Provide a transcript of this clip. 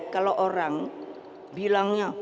kalau orang bilangnya